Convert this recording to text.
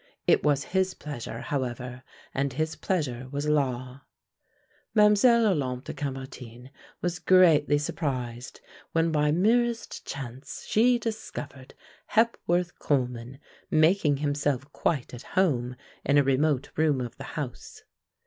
It was his pleasure, however, and his pleasure was law. Mlle. Olympe de Caumartin was greatly surprised when by merest chance she discovered Hepworth Coleman making himself quite at home in a remote room of the house.